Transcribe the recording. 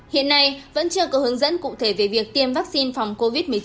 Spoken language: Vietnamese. hiện nay vẫn chưa có hướng dẫn cụ thể về việc tiêm vaccine phòng covid một mươi chín